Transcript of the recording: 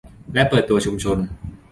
และเปิดตัวชุมชน